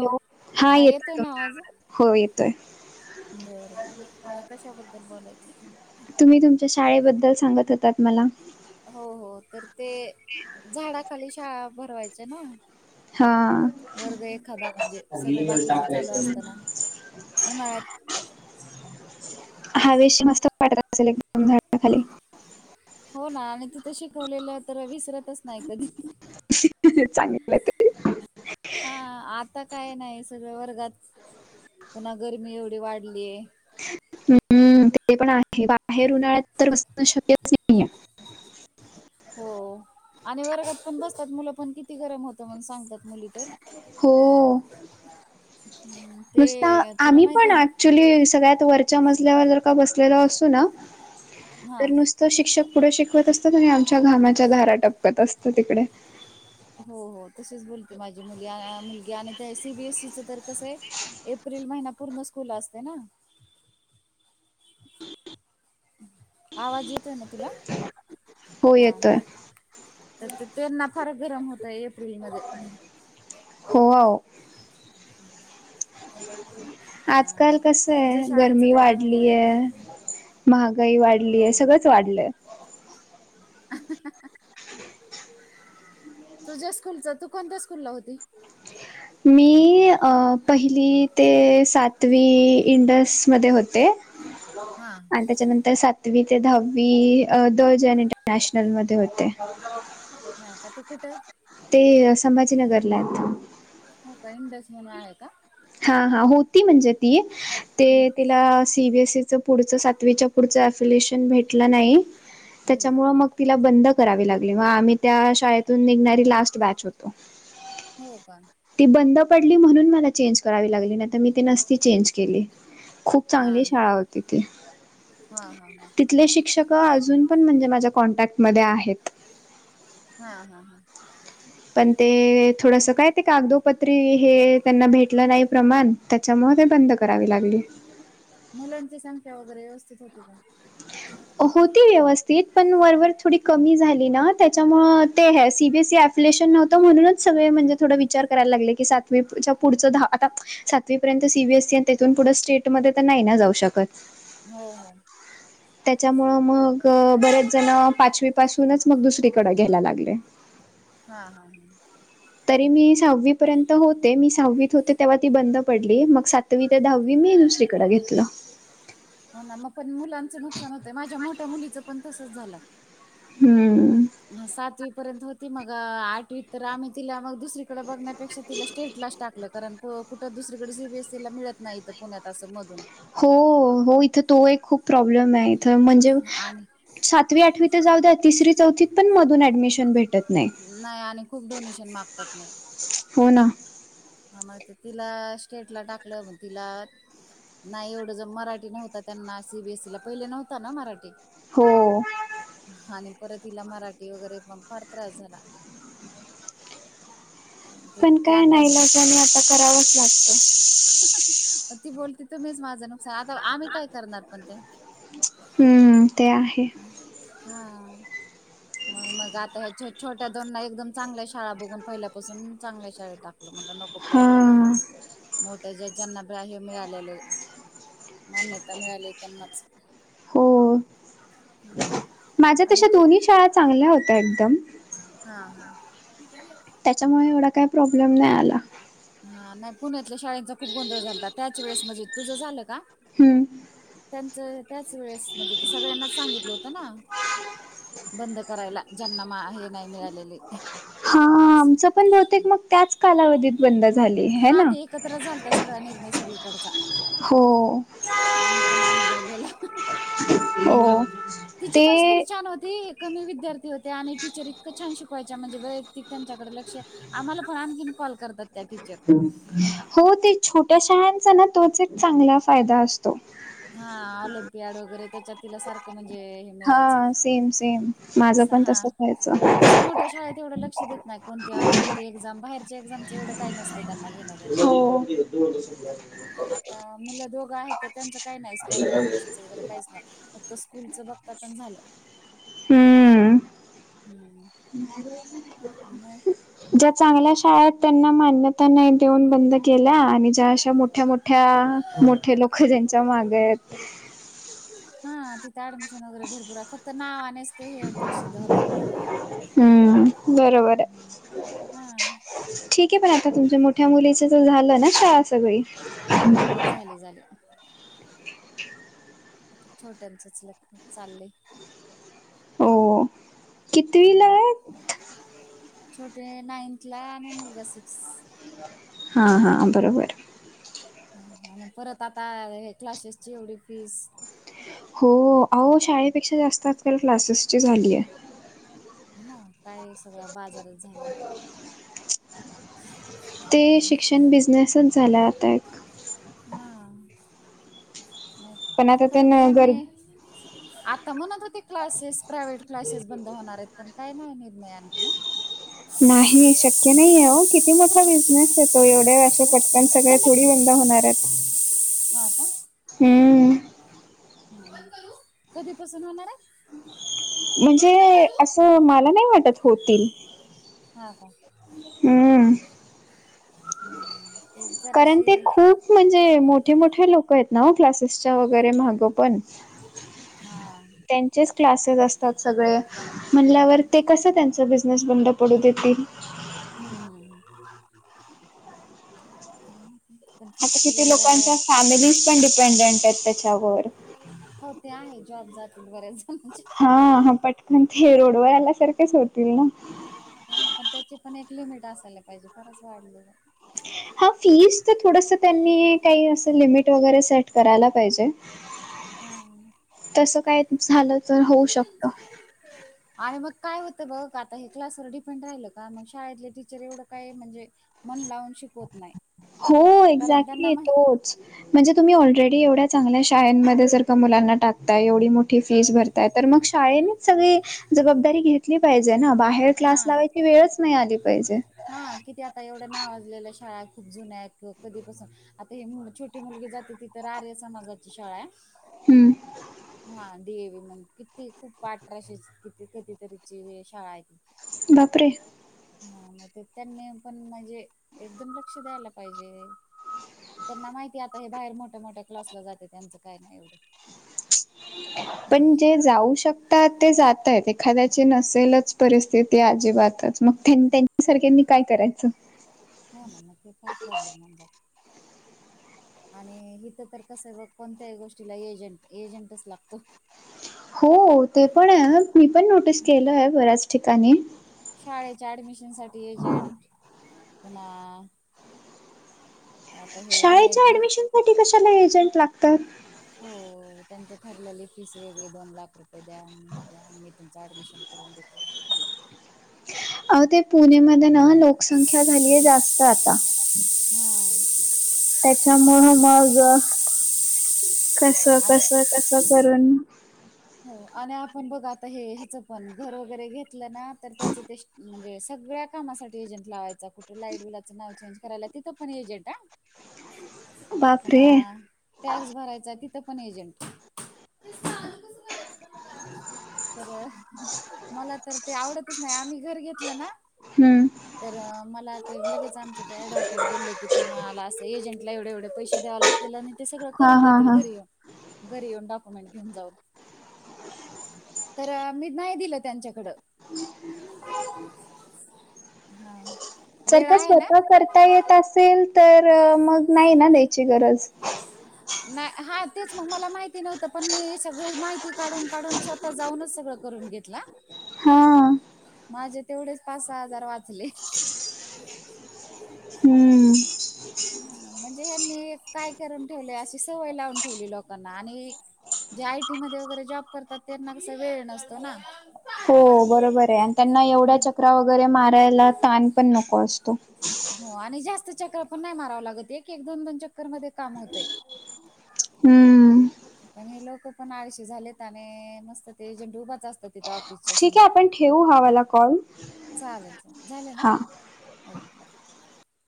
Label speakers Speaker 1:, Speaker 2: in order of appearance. Speaker 1: हो
Speaker 2: हा येतोय तुमचा आवाज. हो येतोय.
Speaker 1: बरं आता कशाबद्दल बोलायचं?
Speaker 2: तुम्ही तुमच्या शाळेबद्दल सांगत होतात मला.
Speaker 1: हो हो. तर ते झाडाखाली शाळा भरवायच्या ना?
Speaker 2: हा
Speaker 1: वर्ग एखादा म्हणजे, सगळ बाकीचे चालू असताना. उन्हाळ्यात-
Speaker 2: हवेशीर मस्त वाटत असेल एकदम झाडाखाली.
Speaker 1: हो ना आणि तिथं शिकवलेलं तर विसरतच नाही कधी.
Speaker 2: चांगलं ते
Speaker 1: [unintelligible] हा आता काय नाही, सगळं वर्गात पुन्हा गर्मी एवढी वाढलीये.
Speaker 2: हुं.. ते पण आहे बाहेर उन्हाळ्यात तर बसणं शक्यच नाहीे.
Speaker 1: हो आणि वर्गात पण बसतात मुलं, पण किती गरम होतं म्हणून सांगत्यात मुली तर.
Speaker 2: हो,
Speaker 1: हम्म
Speaker 2: नुसता
Speaker 1: ते तुला
Speaker 2: आम्हीं
Speaker 1: माहिती
Speaker 2: पण
Speaker 1: आहे ना
Speaker 2: आ क्चुली सगळ्यात वरच्या मजल्यावर जर का बसलेलो असतो ना
Speaker 1: हा
Speaker 2: तर नुस नुसतं शिक्षक पुढे शिकवत असतात आणि आमच्या घामाच्या धारा टपकत असतात इकडे.
Speaker 1: हो, हो. तशीच बोलते माझी मुली मुलगी आणि त्या सी बी एसी च तर कसंय एप्रिल महिना पूर्ण स्कूल असतयं ना. आवाज येतोय ना तुला?
Speaker 2: हो
Speaker 1: हा, ह
Speaker 2: येतोय
Speaker 1: त तर त्येंना फार गरम होतंय एप्रिलमध्ये.
Speaker 2: हो आवो.
Speaker 1: [inaudible] हा
Speaker 2: आजकाल कसंय
Speaker 1: तुझं शाळेचा
Speaker 2: गरमी
Speaker 1: काय अनुभव आहे
Speaker 2: वाढलीये.
Speaker 1: एखादा
Speaker 2: महागाई
Speaker 1: हो
Speaker 2: वाढलीये,
Speaker 1: हो
Speaker 2: सगळंच वाढलंय.
Speaker 1: [unintelligible] तुझ्या स्कूलचं तू कोणत्या स्कूल ला होती?
Speaker 2: मी पहिली ते सातवी इंडसमध्ये होते.
Speaker 1: हा
Speaker 2: आणि त्याच्यानंतर सात तवी ते दहावी द ज इंटरनॅशनल मध्ये होते.
Speaker 1: हा का ते कुठं
Speaker 2: ते संभाजीनगरला आहेत.
Speaker 1: हो का इंडज म्हणून आहे का?
Speaker 2: हा, हा. हो ती म्हणजे ती
Speaker 1: हम्म
Speaker 2: ते तिला सीबीएसईच पुढचं सातवीच्या पुढचं अस्युलेशन भेट टलं नाही
Speaker 1: हम्म
Speaker 2: त्याच्यामुळं मग तिला बंद करावे लागले मग आम्हीं त्या शाळेतून निघणारी लास्ट बॅच होतो.
Speaker 1: हो का
Speaker 2: ती बंद पडली म्हणून मला चेंज करावी लागली, नाही तर मी ते नसती चेंज केली. खूप
Speaker 1: हां
Speaker 2: चांगली शाळा होती ती.
Speaker 1: हां हां हां
Speaker 2: तिथले शिक्षक अजून पण म्हणजे माझ्या कॉन्टॅक्ट मध्ये आहेत.
Speaker 1: हा. हा. हा...
Speaker 2: पण ते थोडसं काय ते कागदोपत्री हे त्यांना भेटलं नाही प्रमाण त्याच्यामुळं ते बंद करावी लागली.
Speaker 1: मुलांची संख्या वगैरे व्यवस्थित होती का?
Speaker 2: होती व्यवस्थित पण वरवर थोडी कमी झाली ना, त्याच्यामुळं ते हे सीबीएसफ लेशन नव्हतं म्हणूनच सगळे म्हणजे थोडं विचार करायला लागले की सातवीच्या पुढं दहा आता सातवीपर्यंत सी बी एससी आणि तिथून पुढं स्टेट मध्ये तर नाही ना जाऊ शकत.
Speaker 1: ह.. हां.
Speaker 2: त्याच्यामुळं मग बरेच जण पाचवी पासूनच मग दुसरीकडें घ्यायला लागले.
Speaker 1: हा, हा, हा...
Speaker 2: तरी मी सहावी पर्यंत होते, मी सहावीत होते तेव्हा ती बंद पडली मग सात तवी ते दहावी मी दुसरीकडें घेतलं.
Speaker 1: हो, ना. मग पण मुलांचं नुकसान होतंय माझ्या मोठ्या मुलीचं पण तसंच झालं.
Speaker 2: हं....
Speaker 1: हा, सातवी पर्यंत होती मग आठवी तर आम्ही तिला मग. दुसरीकडे बघण्यापेक्षा तिला स्टेट लाच टाकलं कारण कु कुठं दुसरीकडे सीबीएसीला मिळत. नाही इथ पुण्यात असं मधून.
Speaker 2: हो हो, इथं तो एक खूप प्रॉब्लेम आहे इथ म्हणजे.
Speaker 1: आणि
Speaker 2: देऊ सातवी आठवी तर जाऊ द्या तिसरी चौथीत पण मधुन ऍडमिशन भेटत नाही.
Speaker 1: नाही आणि खूप डोनेशन मागतात मग.
Speaker 2: हो ना.
Speaker 1: ह, मग तिला स्टेट ला टाकलं मग तिला. नाही एवढं ज मराठी नव्हता त्यांना सीबीएसई ला पहिले नव्हता ना मराठी.
Speaker 2: हो,
Speaker 1: आणि परत हिला मराठी वगैरे मग फार त्रास झाला. ते
Speaker 2: पण
Speaker 1: ते
Speaker 2: काय ना
Speaker 1: आता
Speaker 2: इलजानी आता करावंच लागतं.
Speaker 1: ती बोलती तो मीच माझं नु ''--'' साध आम्ही काय करणार पण ते.
Speaker 2: हम्म ते आहे.
Speaker 1: हा, मग मग आता छो छोट्या दोनना एकदम चांगल्या शाळा बघून पहिल्यापासून चांगल्या शाळे टाकलं म्हटलं नको. खूप
Speaker 2: हा
Speaker 1: प्रॉ्लेम आला पण मोठ्या ज्या ज्यांना बा्राह्य मिळालेले मान्यता मिळाली त्यांनाच.
Speaker 2: हो, माझ्या
Speaker 1: आणि
Speaker 2: तशा
Speaker 1: ते
Speaker 2: दोन्ही शाळा चांगल्या होत्या एकदम.
Speaker 1: हा हा, ती जरी आप''--''
Speaker 2: त्याच्यामुळे एवढा काही प्रॉब्लेम नाही आला.
Speaker 1: हा, नाही पुण्यातल्या शाळेचा खूप गोंधळ झालता त्याच वेळेस म्हणजे तुझं झालं का.
Speaker 2: हम्म
Speaker 1: त्यांचं त्याच वेळेस म्हणजे सगळ्यांनाच सांगितलं होतं ना. बंद करायला ज्यांना मा हे नाही मिळालेले.
Speaker 2: आमच पण बहतेक मग त्याच कालावधीत बंद झाली हे ना.
Speaker 1: तस काय निर्णय सगळीकडचा.
Speaker 2: हो
Speaker 1: आम्ही पण अनुभवलेला
Speaker 2: हो,
Speaker 1: तिची पण
Speaker 2: ते
Speaker 1: स्कूल छान होती. कमी विद्यार्थी होते. आणि टीचर इतकं छान शिकवायच्या म्हणजे वैयक्तिक त्यांच्याकडे लक्ष. आम्हाला पण आणखीन कॉल करतात त्या टीचर.
Speaker 2: हो, ते छोट्या शाळंचा ना तोच एक चांगला फायदा असतो.
Speaker 1: हा ऑलिमपिक वगैरे त्याच्यात. तिला सारखं म्हणजे हे मिळायचं
Speaker 2: हा सेम सेम माझं पण
Speaker 1: हा,
Speaker 2: तसंच व्हायचं
Speaker 1: तस मोठ्या शाळेत एवढं ल''--'' लक्ष देत नाही कोणत्या कोणती एक्झाम बाहेरच्या एक्झामच एवढं काही नसतं त्यांना घेण देणं.
Speaker 2: एवढं शिकलेले.
Speaker 1: ह, आता मुलं दोघं आहेत तर त्यांचं काही नाही स्पर्धा परीक्षेचं वगैरे काहीच नाही. फक्त स्कूलचं बघतात आण झालं.
Speaker 2: हम्,
Speaker 1: हम्म मग,
Speaker 2: ज्या चांगल्या शाळेत त्यांना मान्यता. त्यांना देऊन बंद केल्या आणि ज्या अशा मोठ्या मोठ्या. लोक ज्यांच्या माग.
Speaker 1: हा, तिथे ऍडमिशन वगैरे भरपूर आहे फक्त नाव. ते हे प्रसिद्ध होतात ना
Speaker 2: हम्म बरोबर आहे
Speaker 1: हा,
Speaker 2: ठीक आहे पण आता तुमच्या मोठ्या मुलीच ज झालं ना शाळा सगळी.
Speaker 1: लई झाल्या. आता छोट्यांचंच लग्न चाललंय.
Speaker 2: हो, कितवी ला ये?
Speaker 1: छोटे नाइंथ ला आणि मुलगा सिक्स
Speaker 2: हां हां, बरोबर
Speaker 1: अन परत आता, हे क्लासेसची एवढी फीज
Speaker 2: हो, अहो शाळेपेक्षा जास्त, आजकाल क्लासेसची झालीय.
Speaker 1: हो ना, काय सगळा बाजाराच झालाय.
Speaker 2: ते शिक्षण बिझनेसच झाल, आता एक.
Speaker 1: हां, नही,
Speaker 2: पण आता
Speaker 1: खर तर
Speaker 2: त्यांना गर
Speaker 1: यांनी आता म्हणत होते, क्लासेस, प्रायव्हेट क्लासेस बंद होणार येत. पण काय नाही, निर्णय आणखीना?
Speaker 2: नाही, शक्य नहीे ओ, किती मोठा बिझनेस ये तो, एवढ्या वर्षा साठ पण सगळे थोडी, बंद होणार येत.
Speaker 1: हां का?
Speaker 2: हम्म.
Speaker 1: बंद करू, कधीपसून होणार ये?
Speaker 2: म्हणजे असं, माला नही वाटत, होतील.
Speaker 1: हां का?
Speaker 2: हम्म.
Speaker 1: हम्म. एक
Speaker 2: कारण
Speaker 1: जराशी
Speaker 2: ते खूप म्हणजे, मोठे- मोठे लोकं येत ना ओ, क्लासेसच्या वगैरे मागं पण [inaudible]
Speaker 1: हां.
Speaker 2: त्यांचेच, क्लासेस असतात, सगळे. म्हणल्यावर, ते कसं त्यांचा बिझनेस, बंद पडू देतील.
Speaker 1: हं हम हम. [inaudible]
Speaker 2: आता
Speaker 1: तरी
Speaker 2: किती
Speaker 1: जरा
Speaker 2: लोकांच्या, फॅमिलीज पण डिपेंडेंट येत, त्याच्यावर.
Speaker 1: हो, ते आहेच जॉब जातील, बऱ्याच जणांचे.
Speaker 2: हां हं पटकन, ते रोडवर आल्यासारखेच होतील ना?
Speaker 1: हो ना, पण त्याची पण एक लिमिट असायला पाहिजे, फारच वाढले ना.
Speaker 2: हां, फीज ते थोडस त्यांनी, काही असं लिमिट वगैरे, सेट करायला पाहिजे. [inaudible]
Speaker 1: हां.
Speaker 2: तस काय, झालं त होऊ शकत.
Speaker 1: आणि मग काय होतं बघ, आता हे क्लासवर डिपेंड राहिलं का, मंग शाळेतले टीचर, एवढं काय म्हणजे मन लावून शिकवत नाय.
Speaker 2: हो एक्झॅक्टली, तोच. म्हणजे तुम्ही ऑलरेडी, एवढ्या चांगल्या शाळांमध्ये, जर का मुलांना टाकताय, एवढी मो ठी फीज भरताय, तर मग शाळेनीच सगळी जबाबदारी घेत ली पाहिजे ना, बाहेर क्लास
Speaker 1: हा
Speaker 2: लावायची वेळच, नही आली पाहिजे.
Speaker 1: हा किती आता येवढ्या नावाजलेल्या शाळा, खूप जुन्या येत गं किंवा कधीपसून आता ही मु, छोटी मुलगी जाते, ति तर आर्य समाजाची शाळा य
Speaker 2: हम्म.
Speaker 1: हा देवी म्हण किती खूप अठराशे ची किती किती तरीची शाळा आहे ती
Speaker 2: बापरे
Speaker 1: हा म ते त्यांनी पण म्हणजे एकदम लक्ष द्यायला पाहिजे. त त्यांना माहिती हाय आता हे बाहेर मोठ्या मोठ्या क्लासला जात्यात त्यांचं काय नाही येवढं
Speaker 2: पण ते जाऊ शकतात ते जाताय एखाद्याची नसेलच परिस्थिती अजिबातच मग त्यांनी ते [inaudible] त्याच्या सारख्यांनी काय करायचं?
Speaker 1: हो ना म ते फार प्रॉब्लेम होऊन जात आणि इथं तर कसं बग कोणत्याही गोष्टीला एजंट एजंटच लागतो.
Speaker 2: हो ते पण आहे हा मी पण नोटीस केलंय बऱ्याच ठिकाणी.
Speaker 1: शाळेच्या ऍडमिशन साठी एजंट पुन्हा आता हे
Speaker 2: शाळेच्या
Speaker 1: बाहेर घर
Speaker 2: ऍडमिशन साठी कशाला एजंट लागतात?
Speaker 1: हो हो त्यांची ठरलेली फीजस वेगळी द्या लाख रुपये द्या हे द्या मी तुमचं ऍडमिशन करून देतो.
Speaker 2: आहों ते पुणेमध्ये ना लोकसंख्या झालीय जास्त आता
Speaker 1: हा
Speaker 2: त्याच्यामुळं मग कस
Speaker 1: आणि
Speaker 2: कस कस करून
Speaker 1: हो अन आपण बघ आता हे ह्याचं पण घर वगैरे घेतलं ना तर त्याच पैसे सगळ्या कामासाठी एजंट लावायचा. कुठे लाईट बिलाचं नाव चेंज करायला तिथं पण एजंट हा
Speaker 2: [inaudible] बापरे
Speaker 1: पुन्हा टॅक्स भरायचा तिथं पण एजंट.
Speaker 2: [inaudible]
Speaker 1: तर मला तर ते आवडतच नाही आम्ही घर घेतलं ना.
Speaker 2: हम
Speaker 1: तर मला ते लगेच आमचे ते ऍडव्होकेट बोलले की तुम्हाला असं एजंटला एवढे एवढे पैसे द्याव लागतील आणि ते सगळं
Speaker 2: हा
Speaker 1: करून
Speaker 2: हा
Speaker 1: देतील
Speaker 2: हा
Speaker 1: घरी येऊन घरी येऊन डॉक्युमेंट घेऊन जाऊन तर मी नाही दिलं त्यांच्याकडं. हा
Speaker 2: जर
Speaker 1: वेळ
Speaker 2: का
Speaker 1: आहे ना?
Speaker 2: स्वतः करता येत असेल तर मग नाही ना द्यायची गरज.
Speaker 1: नाही हा तेच मग मला माहित नव्हत पण मी सगळी माहिती काढून काढून स्वता जाऊनच सगळं करून घेतल हा
Speaker 2: हा
Speaker 1: माझे तेवढेच पाच सहा हजार वाचले.
Speaker 2: हम्म
Speaker 1: हा म्हणजे ह्यानी काय करून ठेवलेय अशी सवय लावून ठेवली लोकांना आणि जे आयटी मध्ये वगैरे जॉब करतात त्यांना कस वेळ नसतो ना.
Speaker 2: हो बरोबर आहे आणि त्यांना एवढ्या चकरा वगैरे मारायला ताण पण नको असतो.
Speaker 1: हो आणि जास्त चकरा पण नाही मारावं लागत एक एक दोन दोन चकर मध्ये काम होतय.
Speaker 2: हम्म
Speaker 1: पण हे लोक पण आळशी झालेत आणि नुसत ते एजंट उभाच असतात तिथं ऑफिसच्या
Speaker 2: ठीक आहे
Speaker 1: समोर.
Speaker 2: आपण ठेवू हा वाला कॉल.
Speaker 1: चालेल चालेल झाल ना
Speaker 2: हा
Speaker 1: ओके बाय